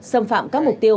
xâm phạm các mục tiêu